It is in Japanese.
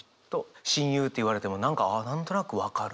「親友」って言われても何かああ何となく分かる。